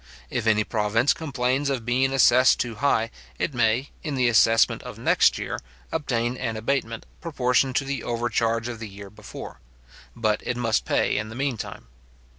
If any province complains of being assessed too high, it may, in the assessment of next year, obtain an abatement proportioned to the overcharge of the year before; but it must pay in the mean time.